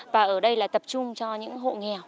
và ở đây là tập trung cho những hộ nghèo